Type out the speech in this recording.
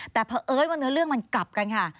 แต่เพราะเอิ้นว่าเนื้อเรื่องมันกลับกันค่ะ